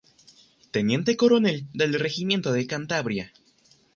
Teniente Coronel del Regimiento de Cantabria.